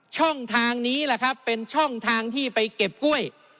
ช่องทางนี้แหละครับเป็นช่องทางที่ไปเก็บกล้วย